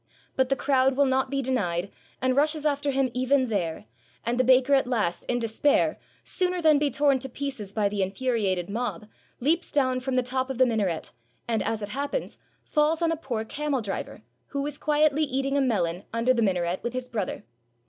But the crowd will not be denied, and rushes after him even there; and the baker at last, in despair, sooner than be torn to pieces by the infuriated mob, leaps down from the top of the minaret, and, as it happens, fails on a poor camel driver, who was quietly eating a melon under the minaret with his brother.